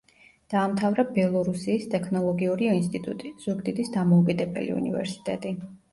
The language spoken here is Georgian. დაამთავრა ბელორუსიის ტექნოლოგიური ინსტიტუტი; ზუგდიდის დამოუკიდებელი უნივერსიტეტი.